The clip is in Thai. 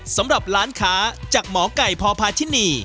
สำหรับร้านขาจากหมอก่ายพอพาที่นี่